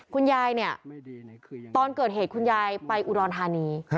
คุณยายเนี่ยตอนเกิดเหตุคุณยายไปอุดรธานี